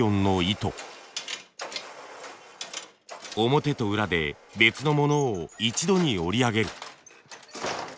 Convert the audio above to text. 表と裏で別のものを一度に織り上げる。